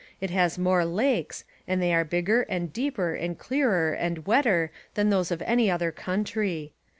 It has more lakes and they are bigger and deeper and clearer and wetter than those of any other country.